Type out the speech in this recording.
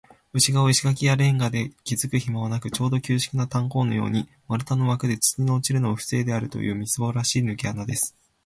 内がわを石がきやレンガできずくひまはなく、ちょうど旧式な炭坑のように、丸太のわくで、土の落ちるのをふせいであるという、みすぼらしいぬけ穴です。